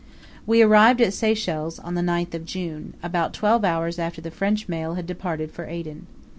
We arrived at Seychelles on the 9th of June, about twelve hours after the French mail had departed for Aden.